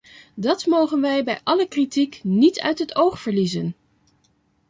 Dat mogen wij bij alle kritiek niet uit het oog verliezen.